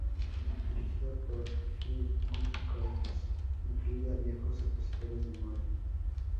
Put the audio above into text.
Dirigido por G. R. Nichols incluye a viejos opositores de Moore.